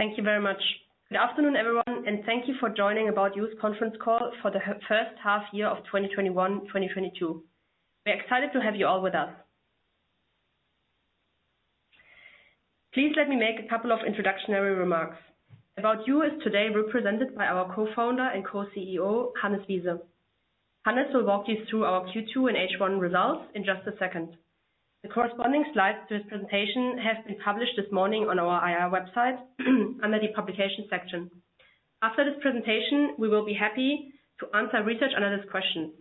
Thank you very much. Good afternoon, everyone, and thank you for joining ABOUT YOU's conference call for the first half year of 2021/2022. We're excited to have you all with us. Please let me make a couple of introductory remarks. ABOUT YOU is today represented by our Co-Founder and Co-CEO, Hannes Wiese. Hannes will walk you through our Q2 and H1 results in just a second. The corresponding slides to his presentation have been published this morning on our IR website under the Publication section. After this presentation, we will be happy to answer research analyst questions.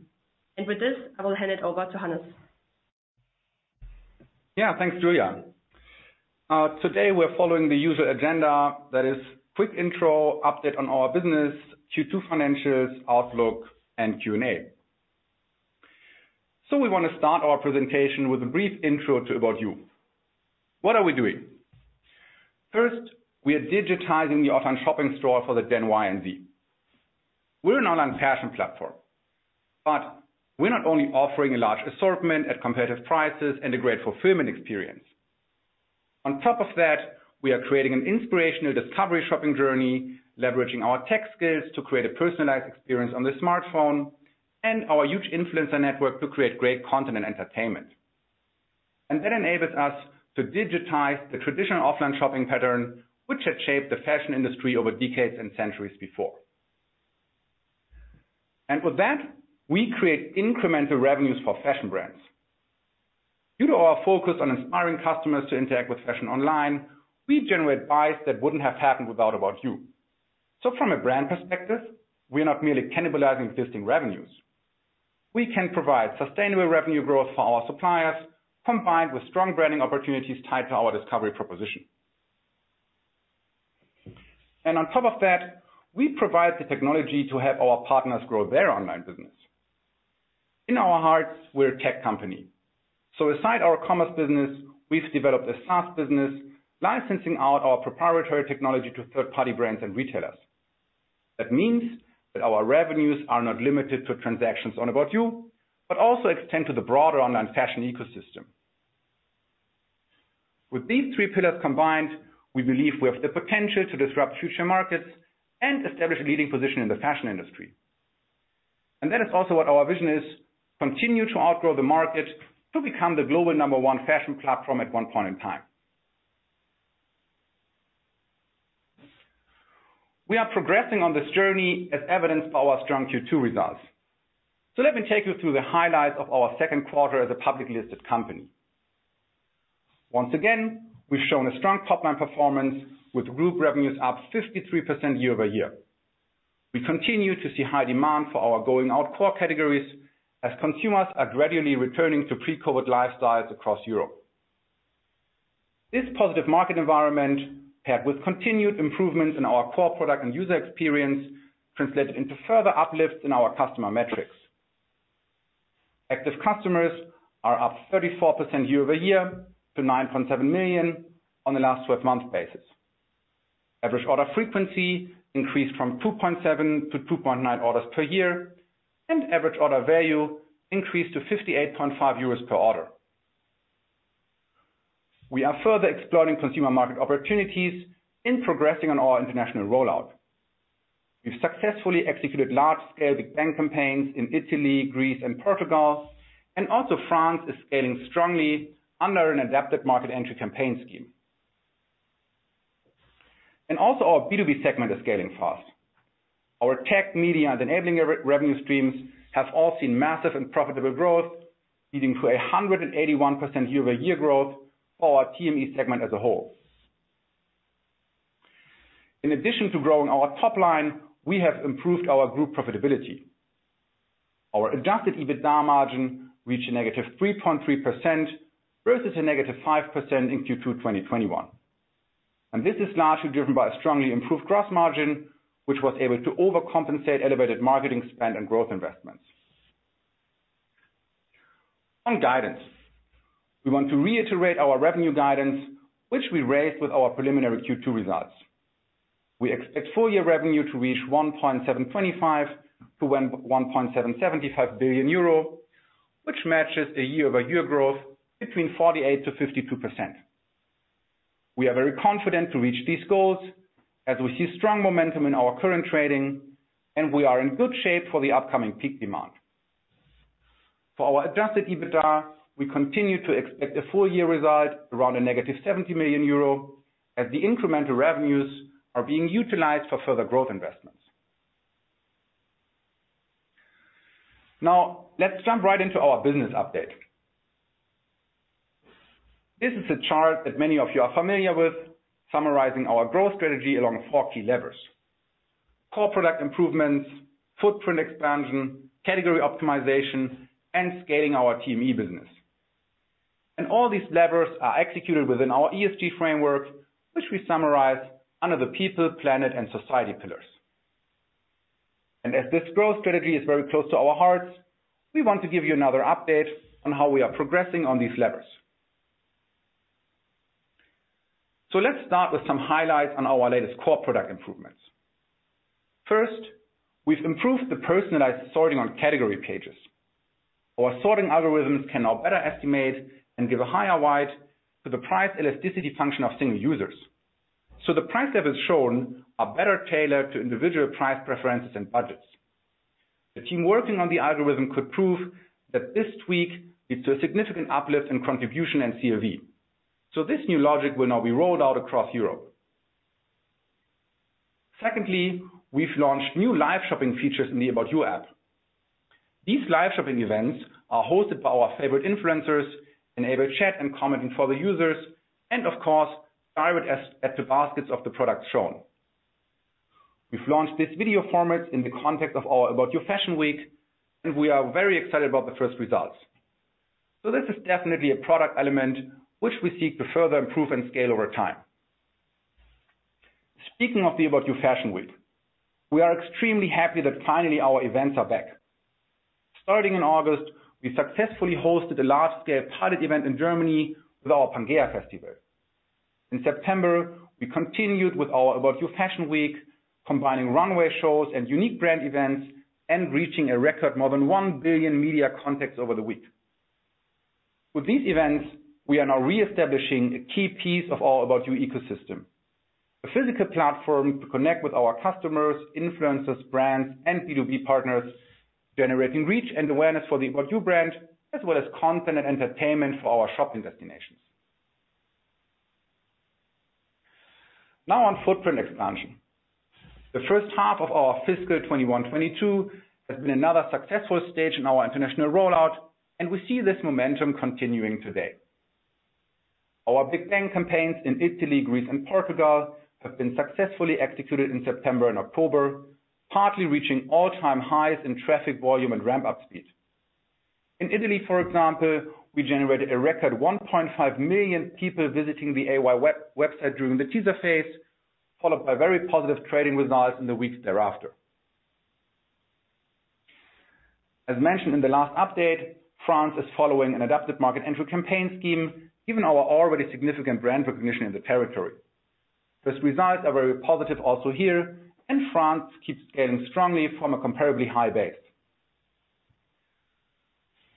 With this, I will hand it over to Hannes. Yeah. Thanks, Julia. Today we're following the usual agenda that is quick intro, update on our business, Q2 financials, outlook, and Q&A. We wanna start our presentation with a brief intro to ABOUT YOU. What are we doing? First, we are digitizing the offline shopping store for the Gen Y and Z. We're an online fashion platform, but we're not only offering a large assortment at competitive prices and a great fulfillment experience. On top of that, we are creating an inspirational discovery shopping journey, leveraging our tech skills to create a personalized experience on the smartphone and our huge influencer network to create great content and entertainment. That enables us to digitize the traditional offline shopping pattern, which had shaped the fashion industry over decades and centuries before. With that, we create incremental revenues for fashion brands. Due to our focus on inspiring customers to interact with fashion online, we generate buys that wouldn't have happened without ABOUT YOU. From a brand perspective, we are not merely cannibalizing existing revenues. We can provide sustainable revenue growth for our suppliers, combined with strong branding opportunities tied to our discovery proposition. On top of that, we provide the technology to help our partners grow their online business. In our hearts, we're a tech company. Besides our commerce business, we've developed a SaaS business licensing out our proprietary technology to third-party brands and retailers. That means that our revenues are not limited to transactions on ABOUT YOU, but also extend to the broader online fashion ecosystem. With these three pillars combined, we believe we have the potential to disrupt future markets and establish a leading position in the fashion industry. That is also what our vision is: continue to outgrow the market to become the global number 1 fashion platform at one point in time. We are progressing on this journey as evidenced by our strong Q2 results. Let me take you through the highlights of our Q2 as a publicly listed company. Once again, we've shown a strong top line performance with group revenues up 53% year-over-year. We continue to see high demand for our going out core categories as consumers are gradually returning to pre-COVID lifestyles across Europe. This positive market environment, paired with continued improvements in our core product and user experience, translated into further uplifts in our customer metrics. Active customers are up 34% year-over-year to 9.7 million on the last 12-month basis. Average order frequency increased from 2.7 to 2.9 orders per year, and average order value increased to 58.5 euros per order. We are further exploring consumer market opportunities in progressing on our international rollout. We've successfully executed large scale Big Bang campaigns in Italy, Greece and Portugal, and also France is scaling strongly under an adapted market entry campaign scheme. Our B2B segment is scaling fast. Our tech media and enabling revenue streams have all seen massive and profitable growth, leading to 181% year-over-year growth for our TME segment as a whole. In addition to growing our top line, we have improved our group profitability. Our adjusted EBITDA margin reached a -3.3% versus a -5% in Q2 2021. This is largely driven by a strongly improved gross margin, which was able to overcompensate elevated marketing spend and growth investments. On guidance, we want to reiterate our revenue guidance, which we raised with our preliminary Q2 results. We expect full year revenue to reach 1.725 billion-1.775 billion euro, which matches a year-over-year growth between 48%-52%. We are very confident to reach these goals as we see strong momentum in our current trading, and we are in good shape for the upcoming peak demand. For our adjusted EBITDA, we continue to expect a full year result around -70 million euro as the incremental revenues are being utilized for further growth investments. Now, let's jump right into our business update. This is a chart that many of you are familiar with summarizing our growth strategy along four key levers: core product improvements, footprint expansion, category optimization, and scaling our TME business. All these levers are executed within our ESG framework, which we summarize under the people, planet, and society pillars. As this growth strategy is very close to our hearts, we want to give you another update on how we are progressing on these levers. Let's start with some highlights on our latest core product improvements. First, we've improved the personalized sorting on category pages. Our sorting algorithms can now better estimate and give a higher weight to the price elasticity function of single users. The price levels shown are better tailored to individual price preferences and budgets. The team working on the algorithm could prove that this tweak leads to a significant uplift in contribution and CLV. This new logic will now be rolled out across Europe. Secondly, we've launched new live shopping features in the ABOUT YOU app. These live shopping events are hosted by our favorite influencers, enable chat and commenting for the users, and of course, direct us at the baskets of the products shown. We've launched this video format in the context of our ABOUT YOU Fashion Week, and we are very excited about the first results. This is definitely a product element which we seek to further improve and scale over time. Speaking of the ABOUT YOU Fashion Week, we are extremely happy that finally our events are back. Starting in August, we successfully hosted a large scale pilot event in Germany with our ABOUT YOU Pangea Festival. In September, we continued with our ABOUT YOU Fashion Week, combining runway shows and unique brand events and reaching a record more than 1 billion media contacts over the week. With these events, we are now reestablishing a key piece of our ABOUT YOU ecosystem. A physical platform to connect with our customers, influencers, brands, and B2B partners, generating reach and awareness for the ABOUT YOU brand, as well as content and entertainment for our shopping destinations. Now on footprint expansion. The first half of our fiscal 2021-2022 has been another successful stage in our international rollout, and we see this momentum continuing today. Our Big Bang campaigns in Italy, Greece and Portugal have been successfully executed in September and October, partly reaching all-time highs in traffic volume and ramp-up speed. In Italy, for example, we generated a record 1.5 million people visiting the AY website during the teaser phase, followed by very positive trading results in the weeks thereafter. As mentioned in the last update, France is following an adaptive market entry campaign scheme given our already significant brand recognition in the territory. These results are very positive also here, and France keeps scaling strongly from a comparably high base.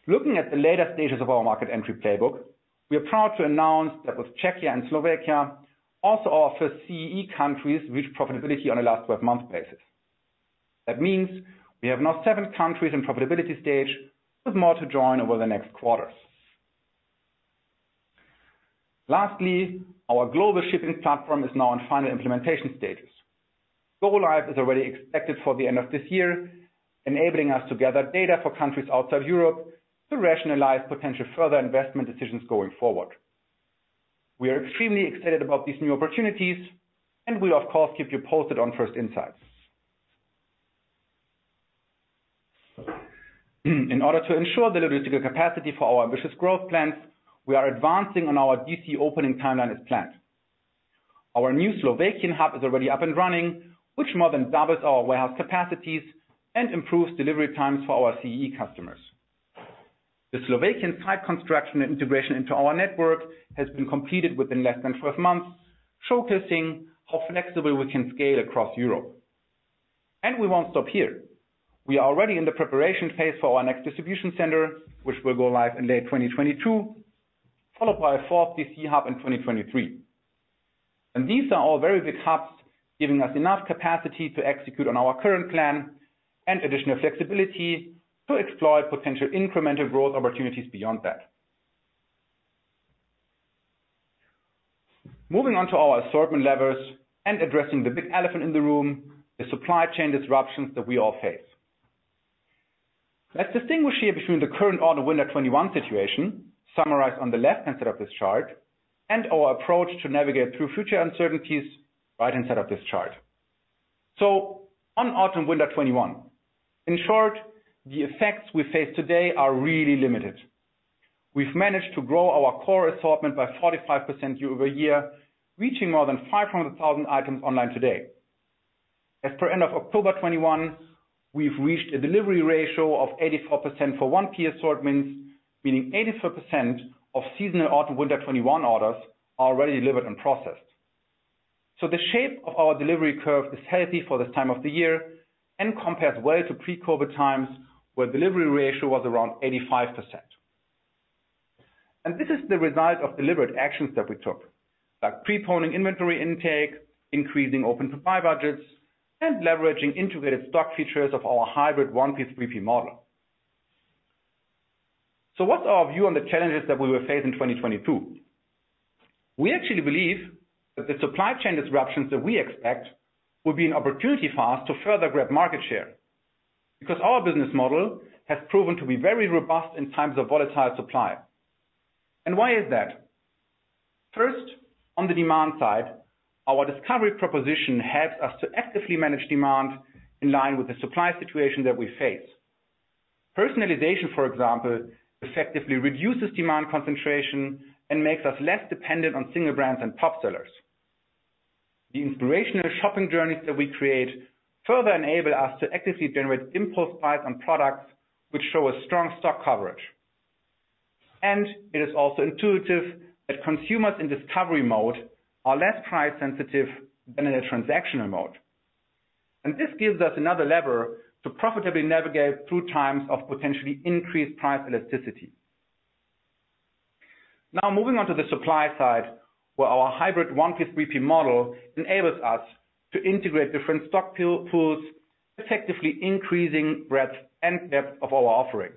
Looking at the later stages of our market entry playbook, we are proud to announce that Czechia and Slovakia also, our CEE countries, reach profitability on a last 12-month basis. That means we have now 7 countries in profitability stage with more to join over the next quarters. Lastly, our global shipping platform is now in final implementation stages. Go live is already expected for the end of this year, enabling us to gather data for countries outside Europe to rationalize potential further investment decisions going forward. We are extremely excited about these new opportunities and will of course, keep you posted on first insights. In order to ensure the logistical capacity for our ambitious growth plans, we are advancing on our DC opening timeline as planned. Our new Slovak hub is already up and running, which more than doubles our warehouse capacities and improves delivery times for our CEE customers. The Slovak site construction and integration into our network has been completed within less than 12 months, showcasing how flexible we can scale across Europe. We won't stop here. We are already in the preparation phase for our next distribution center, which will go live in late 2022, followed by a fourth DC hub in 2023. These are all very big hubs, giving us enough capacity to execute on our current plan and additional flexibility to explore potential incremental growth opportunities beyond that. Moving on to our assortment levers and addressing the big elephant in the room, the supply chain disruptions that we all face. Let's distinguish here between the current Autumn/Winter 2021 situation summarized on the left-hand side of this chart and our approach to navigate through future uncertainties on the right-hand side of this chart. On Autumn/Winter 2021, in short, the effects we face today are really limited. We've managed to grow our core assortment by 45% year-over-year, reaching more than 500,000 items online today. As per end of October 2021, we've reached a delivery ratio of 84% for our key assortments, meaning 84% of seasonal Autumn/Winter 2021 orders are already delivered and processed. The shape of our delivery curve is healthy for this time of the year and compares well to pre-COVID times, where delivery ratio was around 85%. This is the result of deliberate actions that we took, like preponing inventory intake, increasing open to buy budgets, and leveraging integrated stock features of our hybrid 1P/3P model. What's our view on the challenges that we will face in 2022? We actually believe that the supply chain disruptions that we expect will be an opportunity for us to further grab market share, because our business model has proven to be very robust in times of volatile supply. Why is that? First, on the demand side, our discovery proposition helps us to actively manage demand in line with the supply situation that we face. Personalization, for example, effectively reduces demand concentration and makes us less dependent on single brands and top sellers. The inspirational shopping journeys that we create further enable us to actively generate impulse buys on products which show a strong stock coverage. It is also intuitive that consumers in discovery mode are less price sensitive than in a transactional mode. This gives us another lever to profitably navigate through times of potentially increased price elasticity. Now moving on to the supply side, where our hybrid one P three P model enables us to integrate different stock pools, effectively increasing breadth and depth of our offering.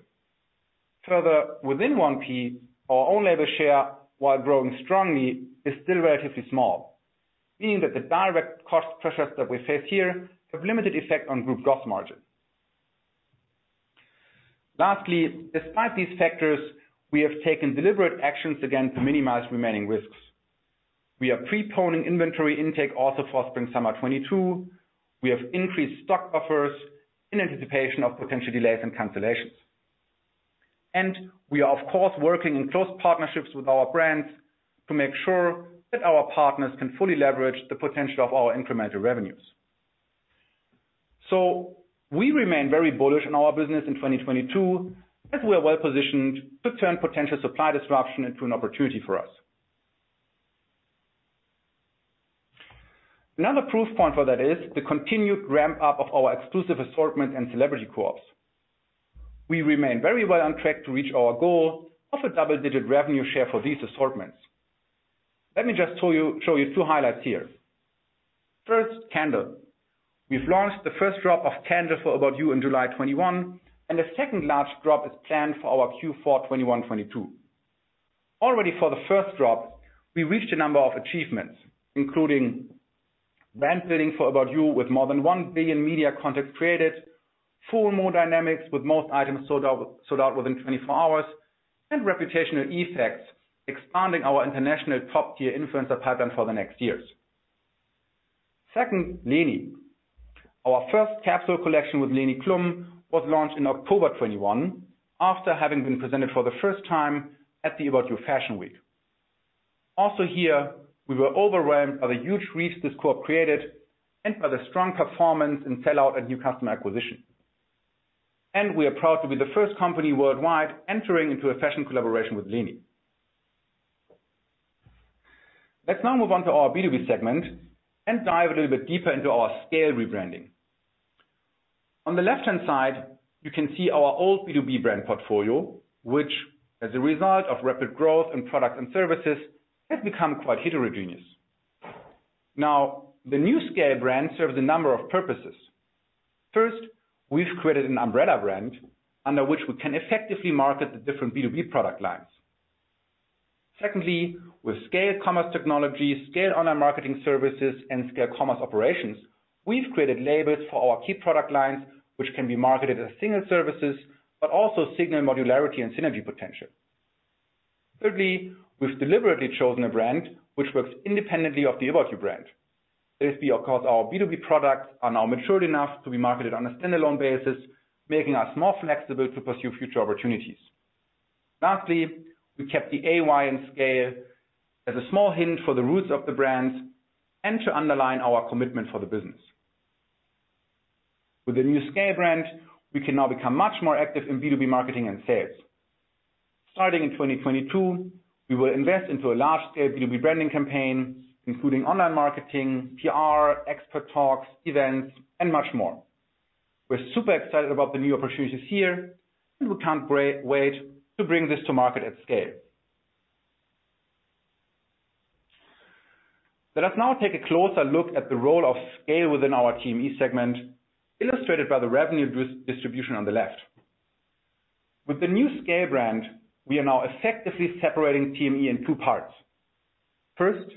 Further, within 1P, our own label share, while growing strongly, is still relatively small, meaning that the direct cost pressures that we face here have limited effect on group gross margin. Lastly, despite these factors, we have taken deliberate actions again to minimize remaining risks. We are pre-poning inventory intake also for spring summer 2022. We have increased stock buffers in anticipation of potential delays and cancellations. We are of course, working in close partnerships with our brands to make sure that our partners can fully leverage the potential of our incremental revenues. We remain very bullish in our business in 2022, as we are well-positioned to turn potential supply disruption into an opportunity for us. Another proof point for that is the continued ramp up of our exclusive assortment and celebrity co-ops. We remain very well on track to reach our goal of a double-digit revenue share for these assortments. Let me just show you two highlights here. First, Kendall. We've launched the first drop of Kendall for ABOUT YOU in July 2021, and the second large drop is planned for our Q4 2021, 2022. Already for the first drop, we reached a number of achievements, including brand building for ABOUT YOU with more than 1 billion media content created, FOMO dynamics with most items sold out, sold out within 24 hours, and reputational effects expanding our international top-tier influencer pattern for the next years. Second, Leni. Our first capsule collection with Leni Klum was launched in October 2021 after having been presented for the first time at the ABOUT YOU Fashion Week. Also here, we were overwhelmed by the huge reach this co-op created and by the strong performance in sell-out and new customer acquisition. We are proud to be the first company worldwide entering into a fashion collaboration with Leni. Let's now move on to our B2B segment and dive a little bit deeper into our SCAYLE rebranding. On the left-hand side, you can see our old B2B brand portfolio, which as a result of rapid growth in products and services, has become quite heterogeneous. Now, the new SCAYLE brand serves a number of purposes. First, we've created an umbrella brand under which we can effectively market the different B2B product lines. Secondly, with SCAYLE Commerce Technology, SCAYLE Online Marketing, and SCAYLE Commerce Operations, we've created labels for our key product lines, which can be marketed as single services but also signal modularity and synergy potential. Thirdly, we've deliberately chosen a brand which works independently of the ABOUT YOU brand. This will, of course, be our B2B products are now matured enough to be marketed on a standalone basis, making us more flexible to pursue future opportunities. Lastly, we kept the AY in SCAYLE as a small hint for the roots of the brands and to underline our commitment for the business. With the new SCAYLE brand, we can now become much more active in B2B marketing and sales. Starting in 2022, we will invest into a large scale B2B branding campaign, including online marketing, PR, expert talks, events, and much more. We're super excited about the new opportunities here, and we can't wait to bring this to market at scale. Let us now take a closer look at the role of SCAYLE within our TME segment, illustrated by the revenue distribution on the left. With the new SCAYLE brand, we are now effectively separating TME into two parts. First,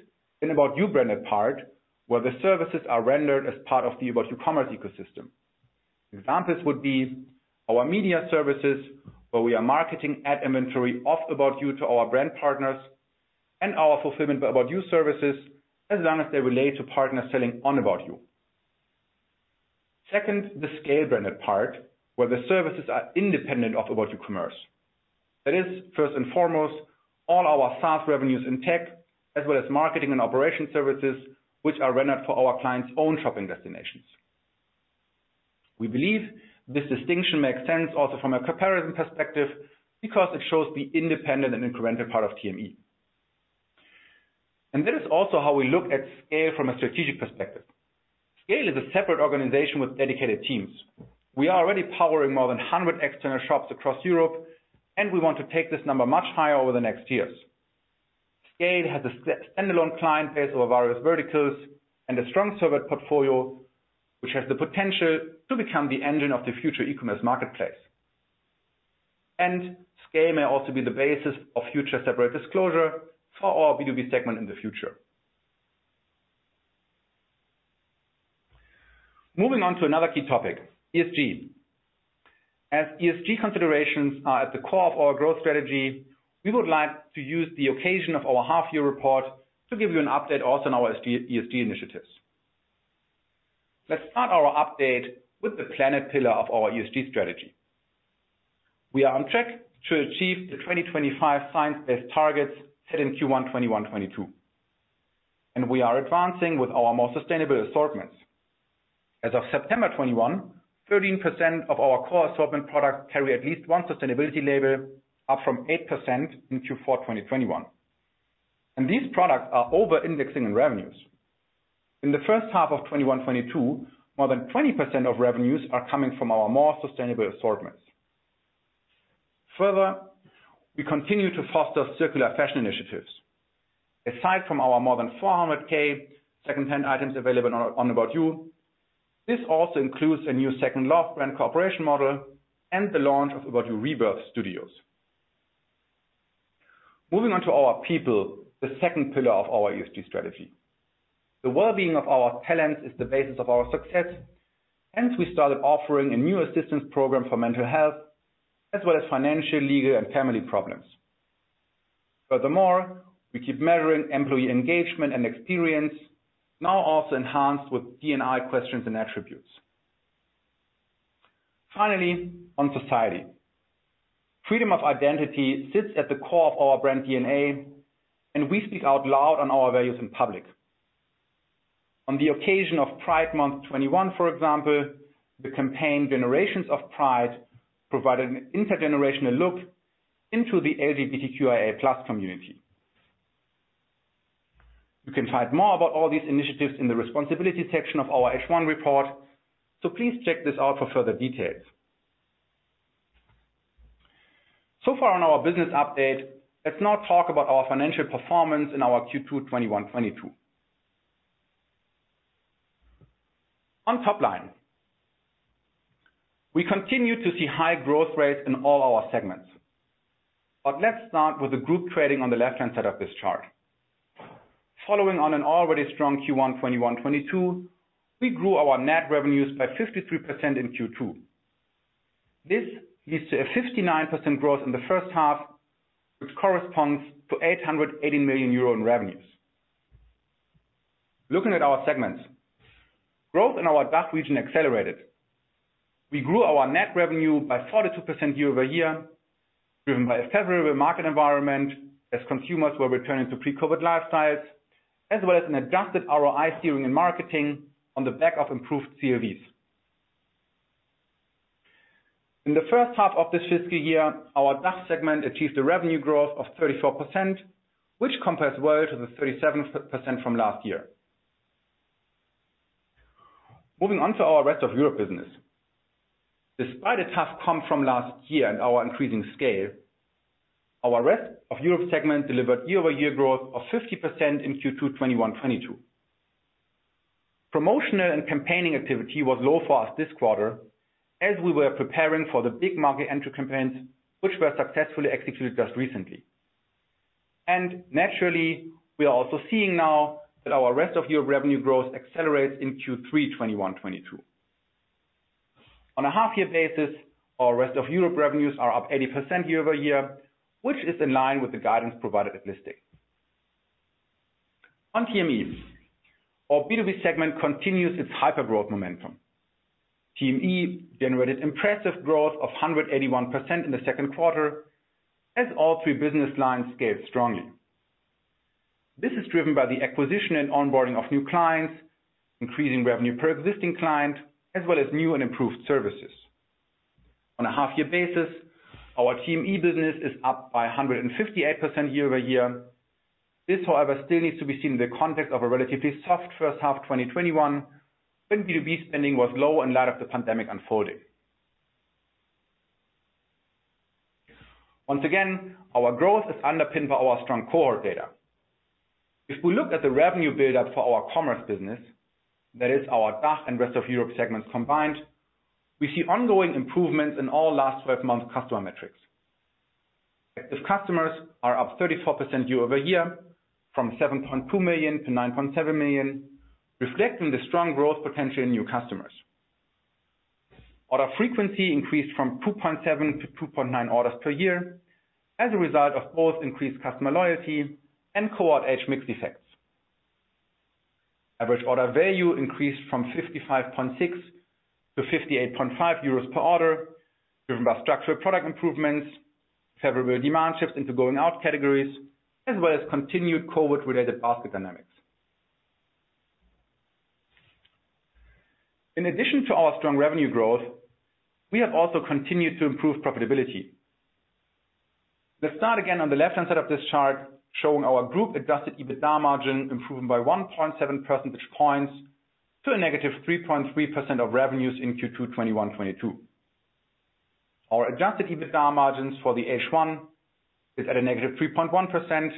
an ABOUT YOU branded part, where the services are rendered as part of the ABOUT YOU commerce ecosystem. Examples would be our media services, where we are marketing ad inventory of ABOUT YOU to our brand partners and our Fulfillment by ABOUT YOU services as long as they relate to partners selling on ABOUT YOU. Second, the SCAYLE branded part where the services are independent of ABOUT YOU commerce. That is first and foremost all our SaaS revenues in tech as well as marketing and operation services which are rendered for our clients' own shopping destinations. We believe this distinction makes sense also from a comparison perspective because it shows the independent and incremental part of TME. That is also how we look at SCAYLE from a strategic perspective. SCAYLE is a separate organization with dedicated teams. We are already powering more than 100 external shops across Europe, and we want to take this number much higher over the next years. SCAYLE has a standalone client base over various verticals and a strong SaaS portfolio, which has the potential to become the engine of the future e-commerce marketplace. SCAYLE may also be the basis of future separate disclosure for our B2B segment in the future. Moving on to another key topic, ESG. As ESG considerations are at the core of our growth strategy, we would like to use the occasion of our half year report to give you an update also on our ESG initiatives. Let's start our update with the planet pillar of our ESG strategy. We are on track to achieve the 2025 science-based targets set in Q1 2021, 2022. We are advancing with our more sustainable assortments. As of September 2021, 13% of our core assortment products carry at least one sustainability label, up from 8% in Q4 2021. These products are over-indexing in revenues. In the first half of 2021, 2022, more than 20% of revenues are coming from our more sustainable assortments. Further, we continue to foster circular fashion initiatives. Aside from our more than 400K secondhand items available on About You, this also includes a new Second Love brand cooperation model and the launch of ABOUT YOU REBIRTH STUDIOS. Moving on to our people, the second pillar of our ESG strategy. The well-being of our talents is the basis of our success, hence we started offering a new assistance program for mental health, as well as financial, legal, and family problems. Furthermore, we keep measuring employee engagement and experience, now also enhanced with D&I questions and attributes. Finally, on society. Freedom of identity sits at the core of our brand DNA, and we speak out loud on our values in public. On the occasion of Pride Month 2021, for example, the campaign Generations of Pride provided an intergenerational look into the LGBTQIA+ community. You can find more about all these initiatives in the responsibility section of our H1 report, so please check this out for further details. So far on our business update, let's now talk about our financial performance in our Q2 2021/22. On top line, we continue to see high growth rates in all our segments. Let's start with the group trading on the left-hand side of this chart. Following on an already strong Q1 2021/22, we grew our net revenues by 53% in Q2. This leads to a 59% growth in the first half, which corresponds to 880 million euro in revenues. Looking at our segments. Growth in our DACH region accelerated. We grew our net revenue by 42% year-over-year, driven by a favorable market environment as consumers were returning to pre-COVID lifestyles, as well as an adjusted ROI steering and marketing on the back of improved CLVs. In the first half of this fiscal year, our DACH segment achieved a revenue growth of 34%, which compares well to the 37% from last year. Moving on to our Rest of Europe business. Despite a tough comp from last year and our increasing scale, our Rest of Europe segment delivered year-over-year growth of 50% in Q2 2021, 2022. Promotional and campaigning activity was low for us this quarter as we were preparing for the big market entry campaigns which were successfully executed just recently. Naturally, we are also seeing now that our Rest of Europe revenue growth accelerates in Q3 2021, 2022. On a half-year basis, our Rest of Europe revenues are up 80% year-over-year, which is in line with the guidance provided at listing. On TMEs, our B2B segment continues its hyper-growth momentum. TME generated impressive growth of 181% in the Q2 as all three business lines scaled strongly. This is driven by the acquisition and onboarding of new clients, increasing revenue per existing client, as well as new and improved services. On a half-year basis, our TME business is up by 158% year-over-year. This, however, still needs to be seen in the context of a relatively soft first half 2021 when B2B spending was low in light of the pandemic unfolding. Once again, our growth is underpinned by our strong cohort data. If we look at the revenue build-up for our commerce business, that is our DACH and Rest of Europe segments combined, we see ongoing improvements in all last twelve months customer metrics. Active customers are up 34% year-over-year from 7.2 million to 9.7 million, reflecting the strong growth potential in new customers. Order frequency increased from 2.7 to 2.9 orders per year as a result of both increased customer loyalty and cohort age mix effects. Average order value increased from 55.6 to 58.5 euros per order, driven by structural product improvements, favorable demand shifts into going out categories, as well as continued COVID-related basket dynamics. In addition to our strong revenue growth, we have also continued to improve profitability. Let's start again on the left-hand side of this chart showing our group-adjusted EBITDA margin improving by 1.7 percentage points to -3.3% of revenues in Q2 2021-2022. Our adjusted EBITDA margins for H1 is at -3.1%,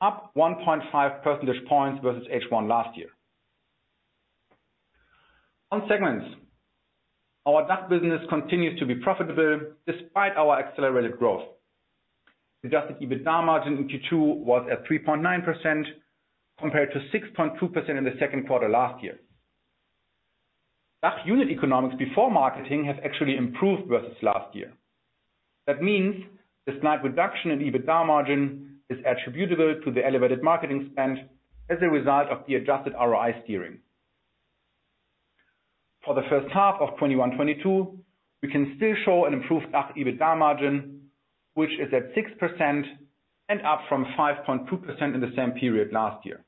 up 1.5 percentage points versus H1 last year. On segments, our DACH business continues to be profitable despite our accelerated growth. The adjusted EBITDA margin in Q2 was at 3.9% compared to 6.2% in the Q2 last year. DACH unit economics before marketing has actually improved versus last year. That means the slight reduction in EBITDA margin is attributable to the elevated marketing spend as a result of the adjusted ROI steering. For the first half of 2021/22, we can still show an improved DACH EBITDA margin, which is at 6% and up from 5.2% in the same period last year.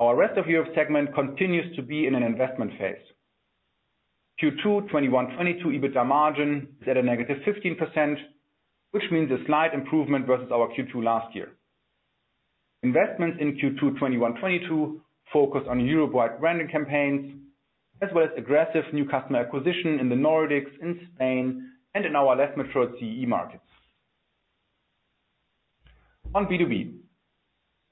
Our Rest of Europe segment continues to be in an investment phase. Q2 2021/22 EBITDA margin is at -15%, which means a slight improvement versus our Q2 last year. Investments in Q2 2021/22 focus on Europe-wide branding campaigns, as well as aggressive new customer acquisition in the Nordics, in Spain, and in our less mature CEE markets. On B2B,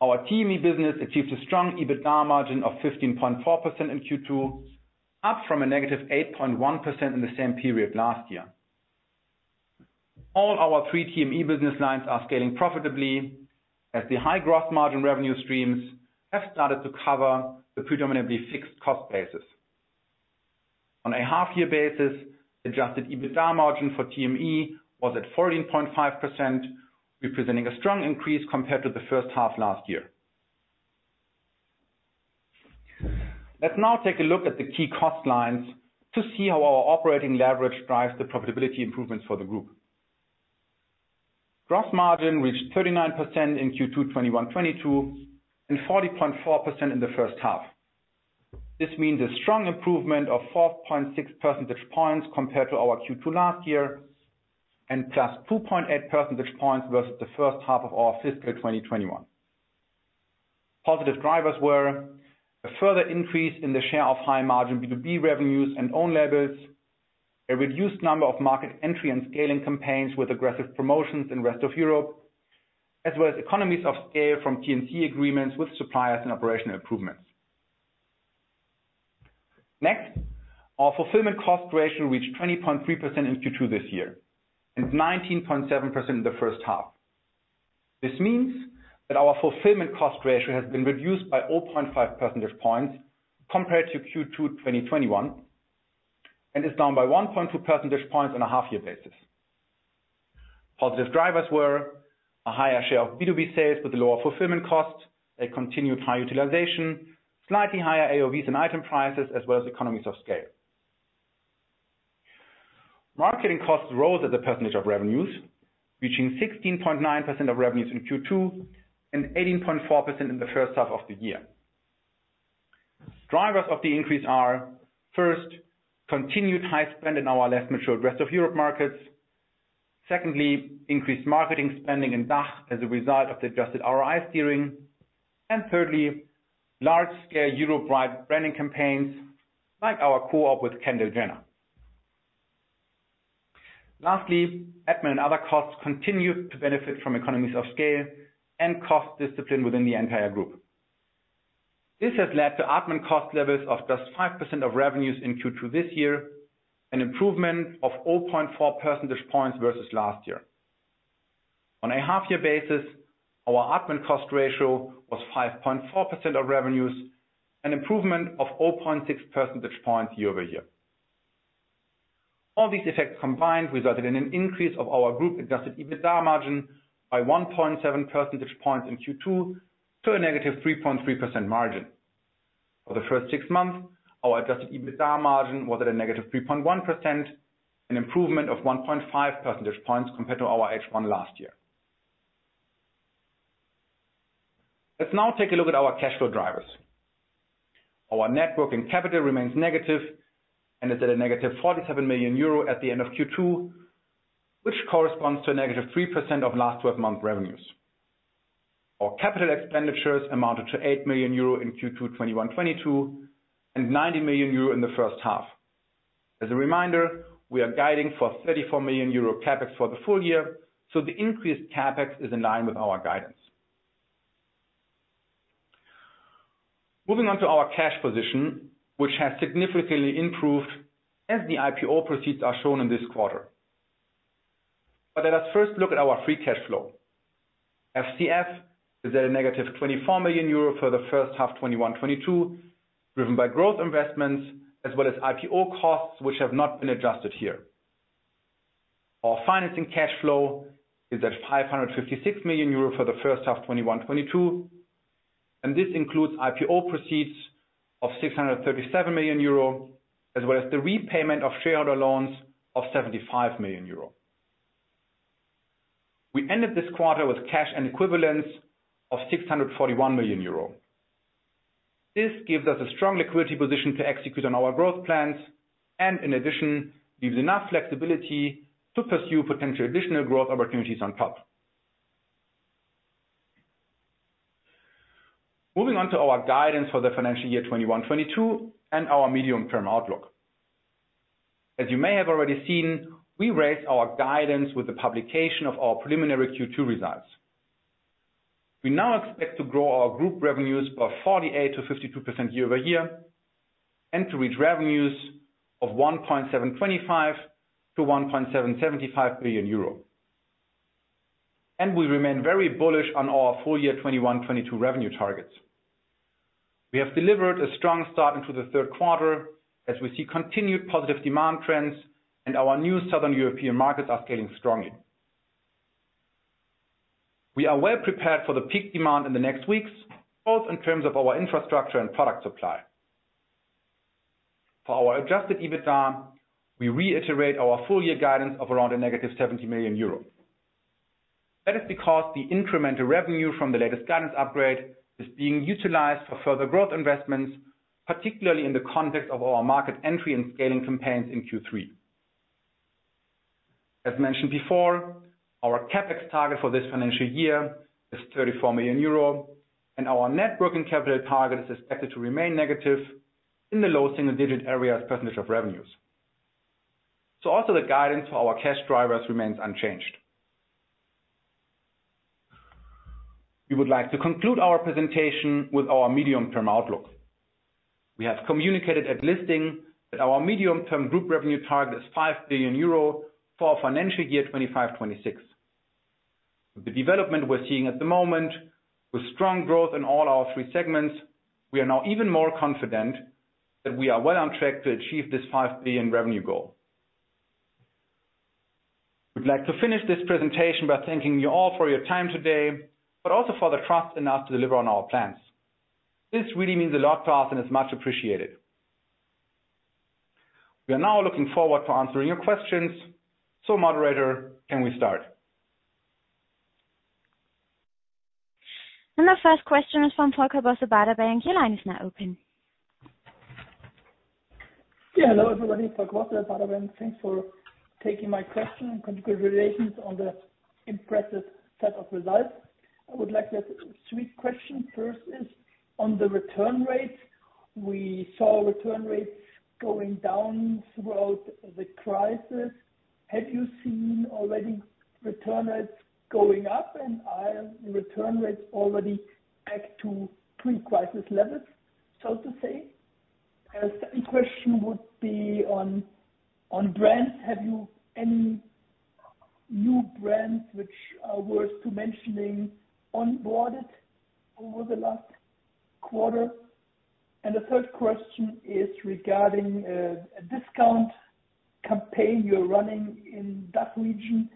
our TME business achieves a strong EBITDA margin of 15.4% in Q2, up from a negative 8.1% in the same period last year. All our three TME business lines are scaling profitably as the high gross margin revenue streams have started to cover the predominantly fixed cost basis. On a half-year basis, adjusted EBITDA margin for TME was at 14.5%, representing a strong increase compared to the first half last year. Let's now take a look at the key cost lines to see how our operating leverage drives the profitability improvements for the group. Gross margin reached 39% in Q2 2021-2022 and 40.4% in the first half. This means a strong improvement of 4.6 percentage points compared to our Q2 last year and plus 2.8 percentage points versus the first half of our fiscal 2021. Positive drivers were a further increase in the share of high-margin B2B revenues and own labels, a reduced number of market entry and scaling campaigns with aggressive promotions in Rest of Europe, as well as economies of scale from T&C agreements with suppliers and operational improvements. Next, our fulfillment cost ratio reached 20.3% in Q2 this year, and 19.7% in the first half. This means that our fulfillment cost ratio has been reduced by 0.5 percentage points compared to Q2 2021, and is down by 1.2 percentage points on a half-year basis. Positive drivers were a higher share of B2B sales with lower fulfillment costs, a continued high utilization, slightly higher AOVs and item prices, as well as economies of scale. Marketing costs rose as a percentage of revenues, reaching 16.9% of revenues in Q2 and 18.4% in the first half of the year. Drivers of the increase are, first, continued high spend in our less mature Rest of Europe markets. Secondly, increased marketing spending in DACH as a result of the adjusted ROI steering. Thirdly, large-scale Europe-wide branding campaigns like our co-op with Kendall Jenner. Lastly, admin and other costs continue to benefit from economies of scale and cost discipline within the entire group. This has led to admin cost levels of just 5% of revenues in Q2 this year, an improvement of 0.4 percentage points versus last year. On a half-year basis, our admin cost ratio was 5.4% of revenues, an improvement of 0.6 percentage points year-over-year. All these effects combined resulted in an increase of our group-adjusted EBITDA margin by 1.7 percentage points in Q2 to a -3.3% margin. For the first six months, our adjusted EBITDA margin was at a -3.1%, an improvement of 1.5 percentage points compared to our H1 last year. Let's now take a look at our cash flow drivers. Our net working capital remains negative and is at -47 million euro at the end of Q2, which corresponds to a -3% of last twelve-month revenues. Our capital expenditures amounted to 8 million euro in Q2 2021, 2022 and 90 million euro in the first half. As a reminder, we are guiding for 34 million euro CapEx for the full year, so the increased CapEx is in line with our guidance. Moving on to our cash position, which has significantly improved as the IPO proceeds are shown in this quarter. Let us first look at our free cash flow. FCF is at -24 million euro for the first half 2021, 2022, driven by growth investments as well as IPO costs which have not been adjusted here. Our financing cash flow is at 556 million euro for the first half 2021, 2022, and this includes IPO proceeds of 637 million euro, as well as the repayment of shareholder loans of 75 million euro. We ended this quarter with cash and equivalents of 641 million euro. This gives us a strong liquidity position to execute on our growth plans, and in addition, leaves enough flexibility to pursue potential additional growth opportunities on top. Moving on to our guidance for the financial year 2021, 2022 and our medium-term outlook. As you may have already seen, we raised our guidance with the publication of our preliminary Q2 results. We now expect to grow our group revenues by 48%-52% year-over-year and to reach revenues of 1.725 billion-1.775 billion euro. We remain very bullish on our full year 2021, 2022 revenue targets. We have delivered a strong start into the Q3 as we see continued positive demand trends and our new Southern European markets are scaling strongly. We are well prepared for the peak demand in the next weeks, both in terms of our infrastructure and product supply. For our adjusted EBITDA, we reiterate our full year guidance of around -70 million euro. That is because the incremental revenue from the latest guidance upgrade is being utilized for further growth investments, particularly in the context of our market entry and scaling campaigns in Q3. As mentioned before, our CapEx target for this financial year is 34 million euro and our net working capital target is expected to remain negative in the low single-digit area as % of revenues. Also the guidance for our cash drivers remains unchanged. We would like to conclude our presentation with our medium-term outlook. We have communicated at listing that our medium-term group revenue target is 5 billion euro for financial year 2025, 2026. The development we're seeing at the moment with strong growth in all our three segments, we are now even more confident that we are well on track to achieve this 5 billion revenue goal. We'd like to finish this presentation by thanking you all for your time today, but also for the trust in us to deliver on our plans. This really means a lot to us and is much appreciated. We are now looking forward to answering your questions. Moderator, can we start? The first question is from Volker Bosse, Baader Bank. Your line is now open. Hello, everybody. Volker Bosse, Baader Bank. Thanks for taking my question and congratulations on the impressive set of results. I would like to have three questions. First is on the return rates. We saw return rates going down throughout the crisis. Have you seen already return rates going up? Are return rates already back to pre-crisis levels, so to say? A second question would be on brands. Have you any new brands which are worth mentioning onboarded over the last quarter? The third question is regarding a discount campaign you're running in that region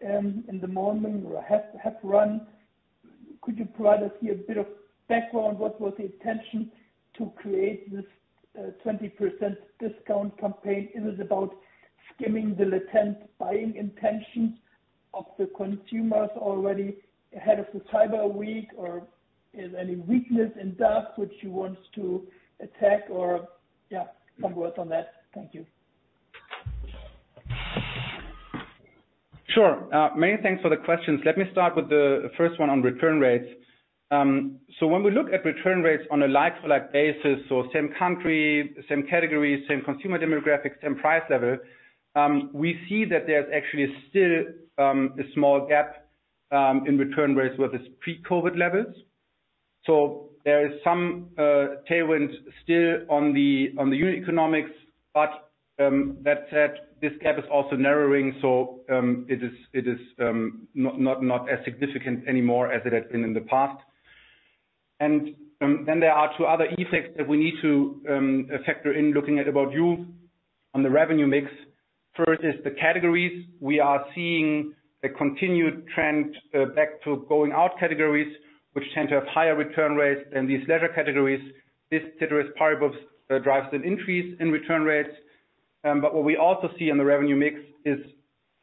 in the morning or have run. Could you provide us here a bit of background? What was the intention to create this 20% discount campaign? Is it about skimming the latent buying intentions of the consumers already ahead of the cyber week? Is there any weakness in DACH which you want to attack? Yeah, some words on that. Thank you. Sure. Many thanks for the questions. Let me start with the first one on return rates. When we look at return rates on a like-for-like basis, so same country, same categories, same consumer demographics, same price level, we see that there's actually still a small gap in return rates with its pre-COVID levels. There is some tailwind still on the unit economics. That said, this gap is also narrowing, so it is not as significant anymore as it has been in the past. Then there are two other effects that we need to factor in looking at ABOUT YOU on the revenue mix. First is the categories. We are seeing a continued trend back to going out categories, which tend to have higher return rates than these leisure categories. This category, probably both, drives an increase in return rates. What we also see in the revenue mix is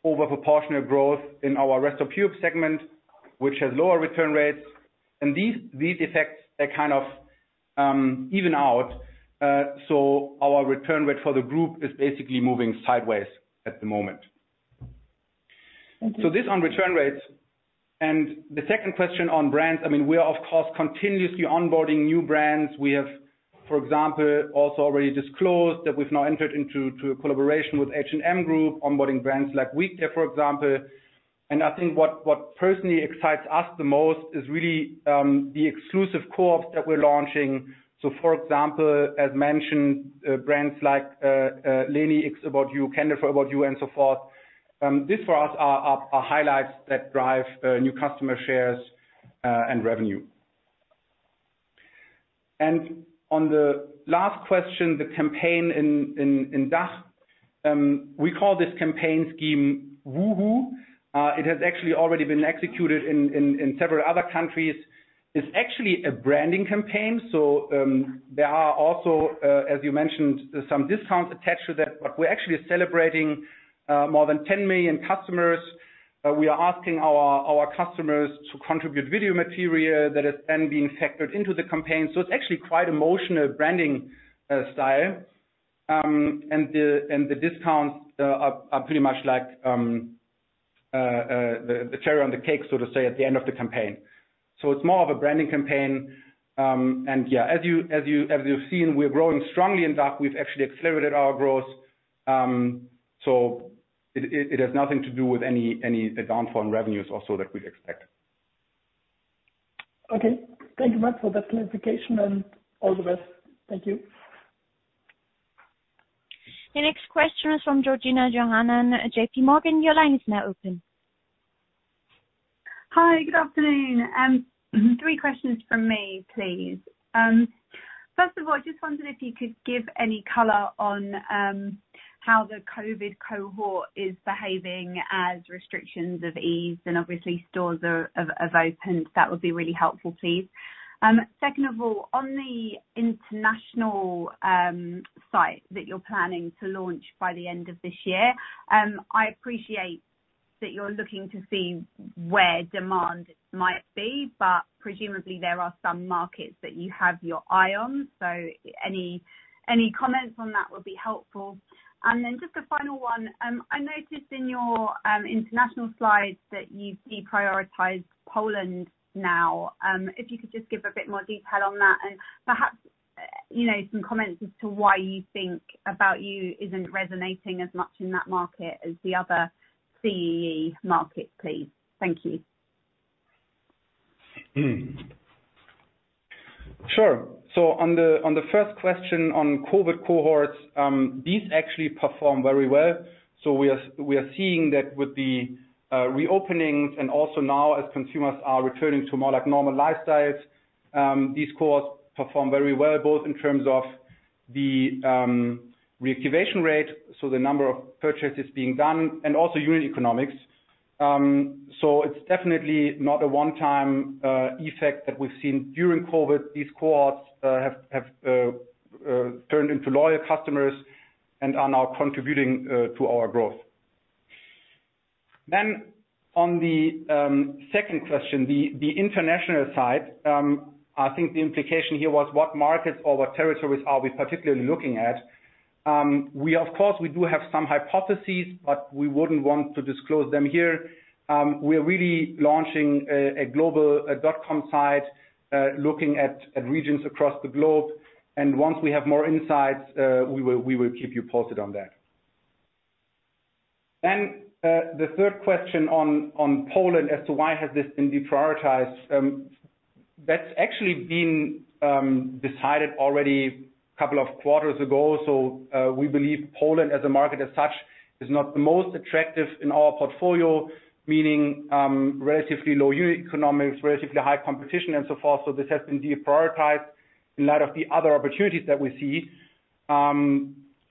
over proportional growth in our Rest of Europe segment, which has lower return rates. These effects, they kind of even out. Our return rate for the group is basically moving sideways at the moment. Thank you. This on return rates and the second question on brands. I mean, we are of course continuously onboarding new brands. We have, for example, also already disclosed that we've now entered into a collaboration with H&M Group, onboarding brands like Weekday, for example. I think what personally excites us the most is really the exclusive co-ops that we're launching. For example, as mentioned, brands like Leni x ABOUT YOU, Kendall x ABOUT YOU and so forth. These for us are highlights that drive new customer shares and revenue. On the last question, the campaign in DACH. We call this campaign scheme WOOHOO. It has actually already been executed in several other countries. It's actually a branding campaign. There are also, as you mentioned, some discounts attached to that. We're actually celebrating more than 10 million customers. We are asking our customers to contribute video material that is then being factored into the campaign. It's actually quite emotional branding style. The discounts are pretty much like the cherry on the cake, so to say, at the end of the campaign. It's more of a branding campaign. Yeah, as you've seen, we're growing strongly in DACH. We've actually accelerated our growth. It has nothing to do with any downfall in revenues also that we'd expect. Okay. Thank you, Matt, for that clarification and all the best. Thank you. The next question is from Georgina Johanan, J.P. Morgan. Your line is now open. Hi. Good afternoon. Three questions from me, please. First of all, I just wondered if you could give any color on how the COVID cohort is behaving as restrictions have eased and obviously stores have opened. That would be really helpful, please. Second of all, on the international site that you're planning to launch by the end of this year, I appreciate that you're looking to see where demand might be, but presumably there are some markets that you have your eye on. Any comments on that would be helpful. Just a final one. I noticed in your international slides that you've deprioritized Poland now. If you could just give a bit more detail on that and perhaps, you know, some comments as to why you think ABOUT YOU isn't resonating as much in that market as the other CEE markets, please. Thank you. Sure. On the first question on COVID cohorts, these actually perform very well. We are seeing that with the reopenings and also now as consumers are returning to more like normal lifestyles, these cohorts perform very well, both in terms of the reactivation rate, so the number of purchases being done and also unit economics. It's definitely not a one-time effect that we've seen during COVID. These cohorts have turned into loyal customers and are now contributing to our growth. On the second question, the international side, I think the implication here was what markets or what territories are we particularly looking at? We of course do have some hypotheses, but we wouldn't want to disclose them here. We are really launching a global .com site, looking at regions across the globe. Once we have more insights, we will keep you posted on that. The third question on Poland as to why has this been deprioritized? That's actually been decided already a couple of quarters ago. We believe Poland as a market as such is not the most attractive in our portfolio. Meaning, relatively low unit economics, relatively high competition and so forth. This has been deprioritized in light of the other opportunities that we see.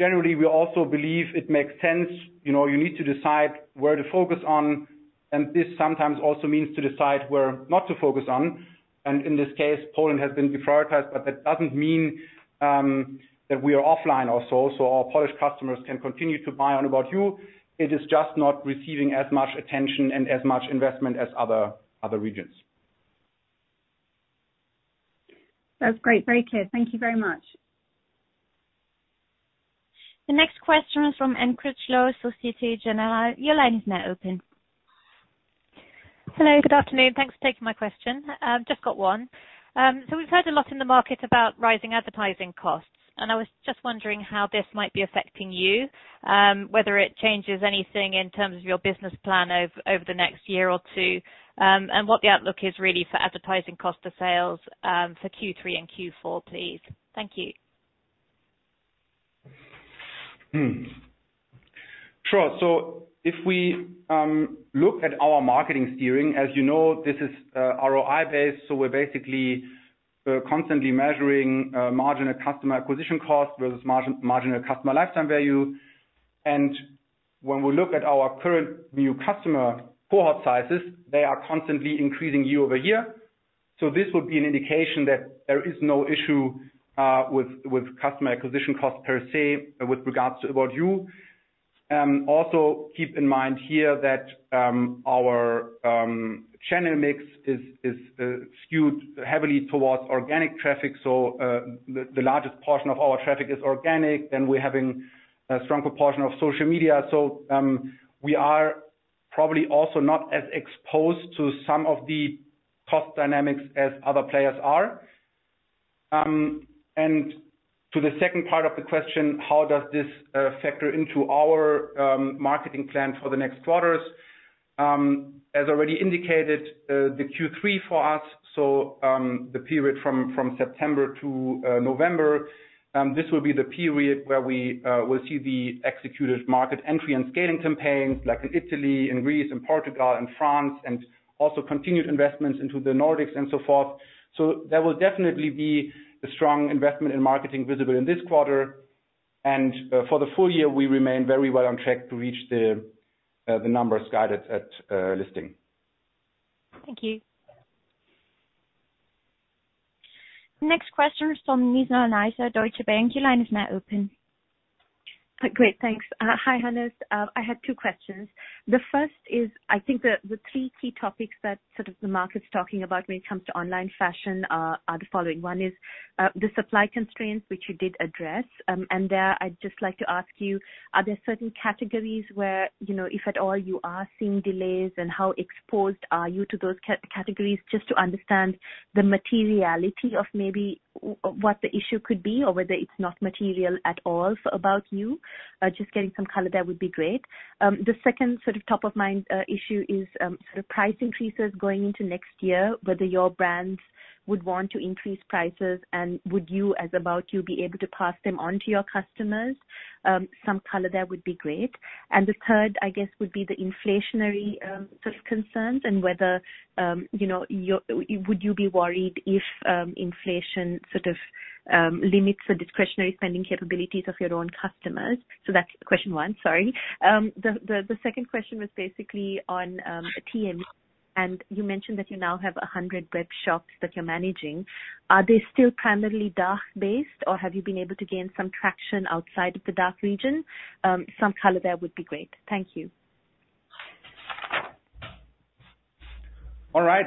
Generally, we also believe it makes sense, you know, you need to decide where to focus on, and this sometimes also means to decide where not to focus on. In this case, Poland has been deprioritized, but that doesn't mean that we are offline also. Our Polish customers can continue to buy on ABOUT YOU. It is just not receiving as much attention and as much investment as other regions. That's great. Very clear. Thank you very much. The next question is from Sure. If we look at our marketing steering, as you know, this is ROI based, so we're basically constantly measuring marginal customer acquisition costs versus margin, marginal customer lifetime value. When we look at our current new customer cohort sizes, they are constantly increasing year-over-year. This would be an indication that there is no issue with customer acquisition costs per se with regards to ABOUT YOU. Also keep in mind here that our channel mix is skewed heavily towards organic traffic. The largest portion of our traffic is organic, and we're having a stronger portion of social media. We are probably also not as exposed to some of the cost dynamics as other players are. To the second part of the question, how does this factor into our marketing plan for the next quarters? As already indicated, the Q3 for us, so the period from September to November, this will be the period where we will see the executed market entry and scaling campaigns like in Italy and Greece and Portugal and France, and also continued investments into the Nordics and so forth. There will definitely be a strong investment in marketing visible in this quarter. For the full year, we remain very well on track to reach the numbers guided at listing. Thank you. Next question is from Great, thanks. Hi, Hannes. I had two questions. The first is, I think the three key topics that sort of the market's talking about when it comes to online fashion are the following. One is the supply constraints which you did address. And there, I'd just like to ask you, are there certain categories where, you know, if at all you are seeing delays and how exposed are you to those categories, just to understand the materiality of maybe what the issue could be or whether it's not material at all for About You? Just getting some color there would be great. The second sort of top of mind issue is sort of price increases going into next year, whether your brands would want to increase prices and would you as ABOUT YOU be able to pass them on to your customers? Some color there would be great. The third, I guess, would be the inflationary sort of concerns and whether you know, would you be worried if inflation sort of- Limits the discretionary spending capabilities of your own customers. That's question one. Sorry. The second question was basically on TME, and you mentioned that you now have 100 web shops that you're managing. Are they still primarily DACH-based, or have you been able to gain some traction outside of the DACH region? Some color there would be great. Thank you. All right.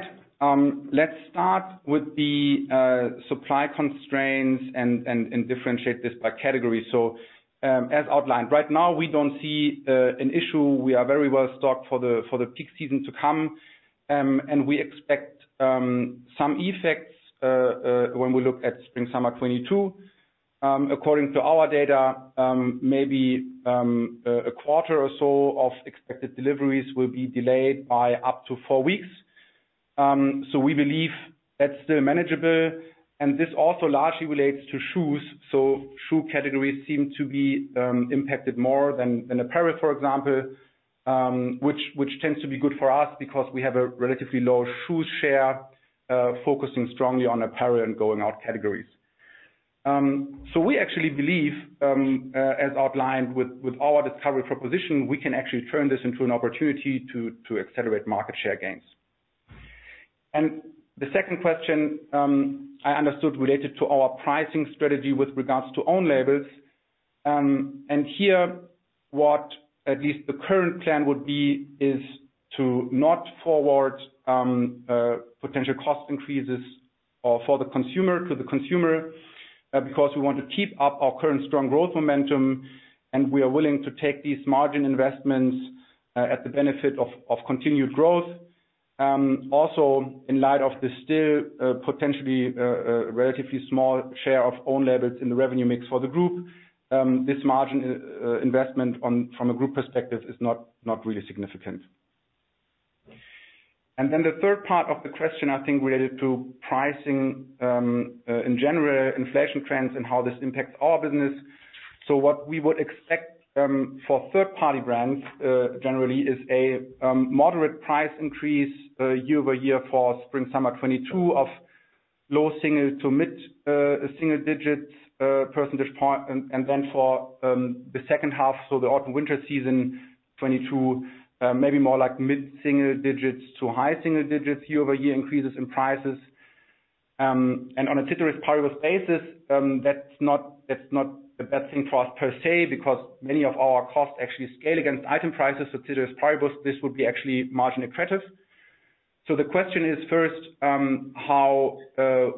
Let's start with the supply constraints and differentiate this by category. As outlined. Right now, we don't see an issue. We are very well-stocked for the peak season to come. We expect some effects when we look at spring/summer 2022. According to our data, maybe a quarter or so of expected deliveries will be delayed by up to four weeks. We believe that's still manageable. This also largely relates to shoes. Shoe categories seem to be impacted more than apparel, for example, which tends to be good for us because we have a relatively low shoe share, focusing strongly on apparel and going out categories. We actually believe, as outlined with our discovery proposition, we can actually turn this into an opportunity to accelerate market share gains. The second question I understood related to our pricing strategy with regards to own labels. Here, what at least the current plan would be is to not forward potential cost increases for the consumer because we want to keep up our current strong growth momentum, and we are willing to take these margin investments at the benefit of continued growth. Also in light of the still potentially relatively small share of own labels in the revenue mix for the group, this margin investment from a group perspective is not really significant. The third part of the question, I think related to pricing, in general, inflation trends and how this impacts our business. What we would expect for third-party brands generally is a moderate price increase year-over-year for spring/summer 2022 of low single- to mid-single digits percentage point. Then for the second half, so the autumn/winter season 2022, maybe more like mid-single digits to high-single digits year-over-year increases in prices. On a ceteris paribus basis, that's not a bad thing for us per se because many of our costs actually SCAYLE against item prices, so ceteris paribus, this would be actually margin accretive. The question is first, how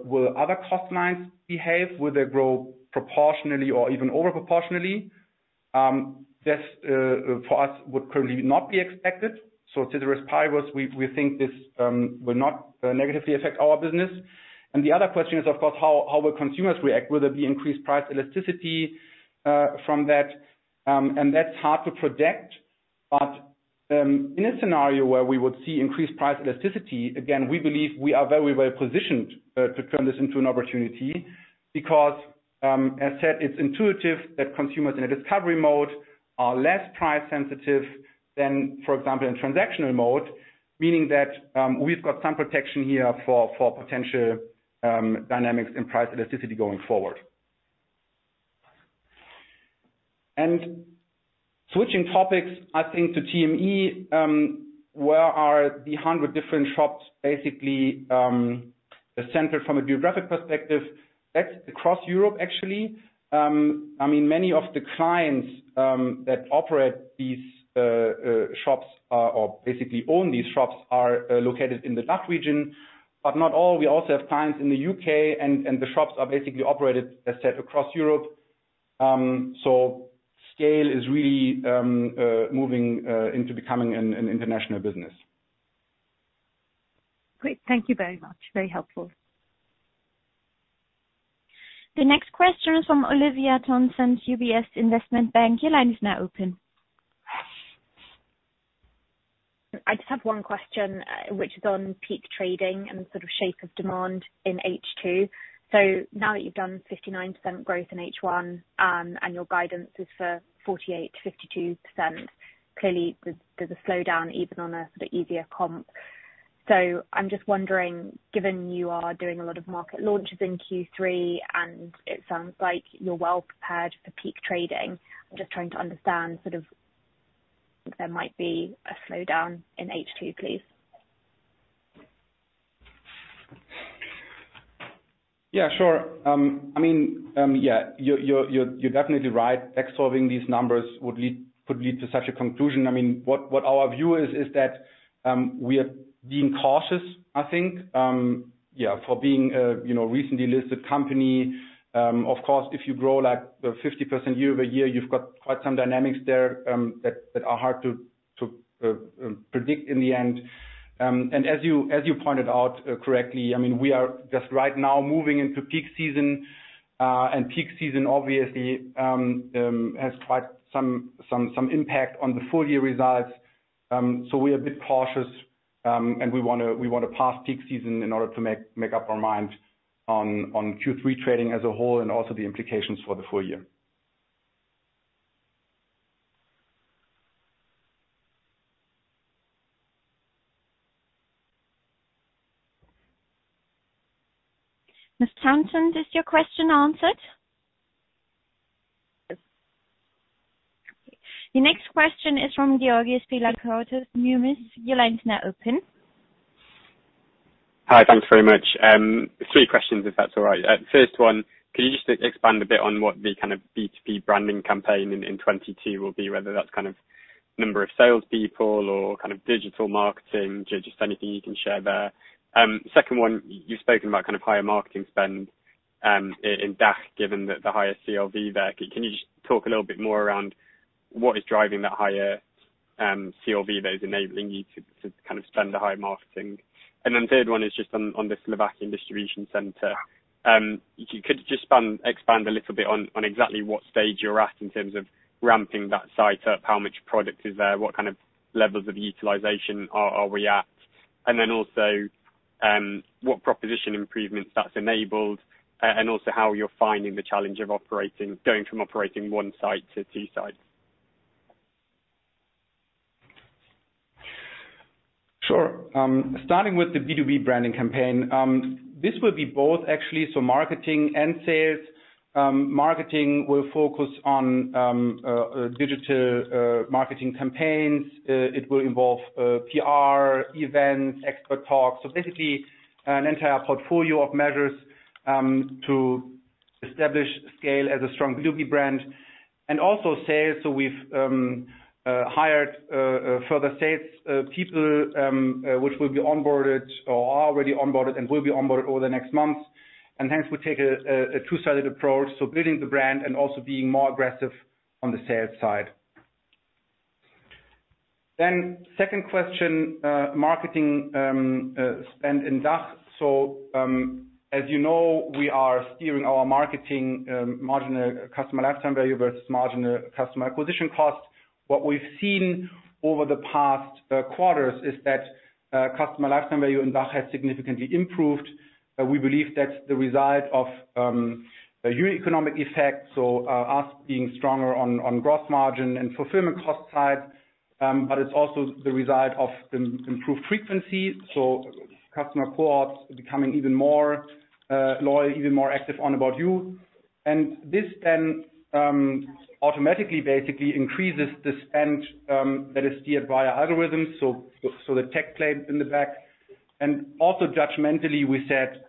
will other cost lines behave? Will they grow proportionally or even over proportionally? That's for us would currently not be expected. Ceteris paribus, we think this will not negatively affect our business. The other question is, of course, how will consumers react? Will there be increased price elasticity from that? That's hard to predict. In a scenario where we would see increased price elasticity, again, we believe we are very well positioned to turn this into an opportunity because, as said, it's intuitive that consumers in a discovery mode are less price sensitive than, for example, in transactional mode, meaning that we've got some protection here for potential dynamics in price elasticity going forward. Switching topics, I think to TME, where are the 100 different shops basically centered from a geographic perspective? That's across Europe, actually. I mean, many of the clients that operate these shops, or basically own these shops, are located in the DACH region, but not all. We also have clients in the U.K. and the shops are basically operated, as said, across Europe. SCAYLE is really moving into becoming an international business. Great. Thank you very much. Very helpful. The next question is from Olivia Thompson, UBS Investment Bank. Your line is now open. I just have one question, which is on peak trading and the sort of shape of demand in H2. Now that you've done 59% growth in H1, and your guidance is for 48%-52%, clearly there's a slowdown even on a sort of easier comp. I'm just wondering, given you are doing a lot of market launches in Q3, and it sounds like you're well prepared for peak trading, I'm just trying to understand sort of if there might be a slowdown in H2, please. Yeah, sure. I mean, yeah, you're definitely right. Backsolving these numbers could lead to such a conclusion. I mean, what our view is is that we are being cautious, I think. Yeah, for being a you know recently listed company, of course, if you grow like 50% year-over-year, you've got quite some dynamics there that are hard to predict in the end. As you pointed out correctly, I mean, we are just right now moving into peak season, and peak season obviously has quite some impact on the full year results. We are a bit cautious, and we wanna pass peak season in order to make up our mind on Q3 trading as a whole and also the implications for the full year. Ms. Thompson, is your question answered? Yes. The next question is from George Spiliopoulos, Numis. Your line is now open. Hi. Thanks very much. Three questions, if that's all right. First one, can you just expand a bit on what the kind of B2B branding campaign in 2022 will be, whether that's kind of number of sales people or kind of digital marketing, just anything you can share there. Second one, you've spoken about kind of higher marketing spend in DACH, given the highest CLV there. Can you just talk a little bit more around what is driving that higher CLV that is enabling you to kind of spend the higher marketing? Then third one is just on the Slovakian distribution center. Could you just expand a little bit on exactly what stage you're at in terms of ramping that site up? How much product is there? What kind of levels of utilization are we at? Then also, what proposition improvements that's enabled, and also how you're finding the challenge of going from operating one site to two sites. Sure. Starting with the B2B branding campaign, this will be both actually, marketing and sales. Marketing will focus on digital marketing campaigns. It will involve PR, events, expert talks. Basically an entire portfolio of measures to establish SCAYLE as a strong B2B brand. Also sales, we've hired further sales people which will be onboarded or are already onboarded and will be onboarded over the next months. Hence we take a two-sided approach, building the brand and also being more aggressive on the sales side. Second question, marketing spend in DACH. As you know, we are steering our marketing marginal customer lifetime value versus marginal customer acquisition cost. What we've seen over the past quarters is that customer lifetime value in DACH has significantly improved. We believe that's the result of a unique economic effect, so us being stronger on gross margin and fulfillment cost side. It's also the result of improved frequency, so customer cohorts becoming even more loyal, even more active on ABOUT YOU. This then automatically basically increases the spend that is steered via algorithms, so the tech plays in the back. Also judgmentally, we said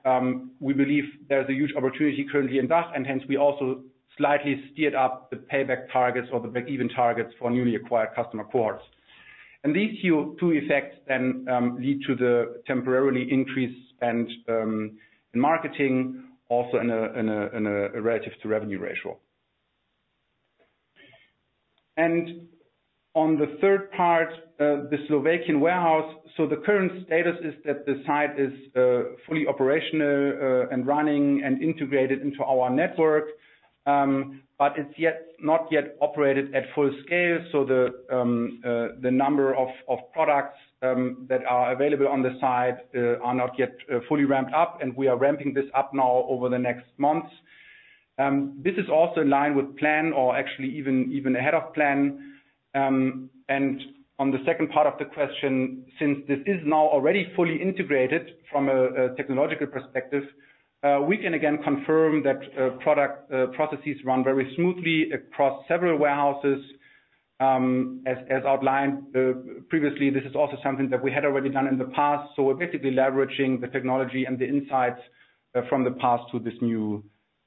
we believe there's a huge opportunity currently in DACH, and hence we also slightly steered up the payback targets or the break-even targets for newly acquired customer cohorts. These two effects then lead to the temporary increase in spend in marketing, also in a relative to revenue ratio. On the third part, the Slovakian warehouse. The current status is that the site is fully operational and running and integrated into our network. But it's not yet operated at full SCAYLE. The number of products that are available on the site are not yet fully ramped up, and we are ramping this up now over the next months. This is also in line with plan or actually even ahead of plan. On the second part of the question, since this is now already fully integrated from a technological perspective, we can again confirm that product processes run very smoothly across several warehouses. As outlined previously, this is also something that we had already done in the past. We're basically leveraging the technology and the insights from the past to this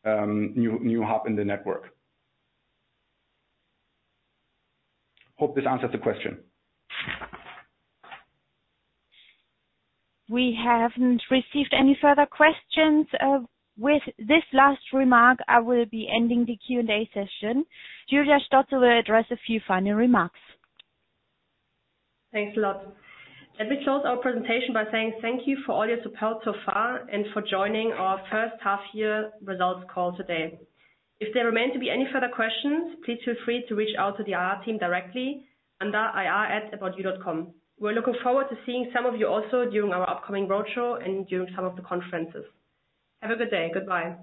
new hub in the network. Hope this answers the question. We haven't received any further questions. With this last remark, I will be ending the Q&A session. Julia Stötzel will address a few final remarks. Thanks a lot. Let me close our presentation by saying thank you for all your support so far and for joining our first half year results call today. If there remain to be any fu rther questions, please feel free to reach out to the IR team directly under ir@aboutyou.com. We're looking forward to seeing some of you also during our upcoming roadshow and during some of the conferences. Have a good day. Goodbye.